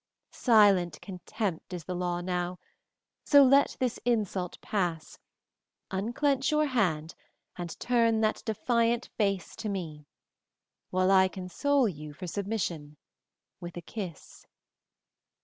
Silent contempt is the law now, so let this insult pass, unclench your hand and turn that defiant face to me, while I console you for submission with a kiss."